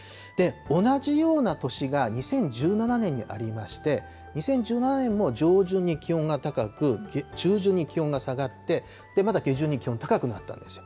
同じような年が２０１７年にありまして、２０１７年も、上旬に気温が高く、中旬に気温が下がって、また下旬に気温が高くなったんですよ。